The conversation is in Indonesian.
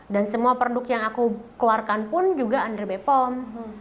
dan semua produk yang aku keluarkan pun juga under bpom